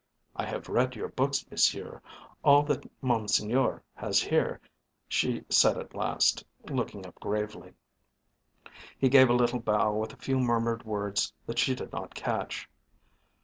"I have read your books, Monsieur all that Monseigneur has here," she said at last, looking up gravely. He gave a little bow with a few murmured words that she did not catch.